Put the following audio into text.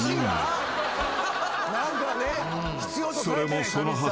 ［それもそのはず。